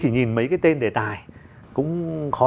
chỉ nhìn mấy cái tên đề tài cũng khó